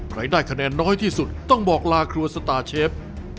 ได้คะแนนน้อยที่สุดต้องบอกลาครัวสตาร์เชฟ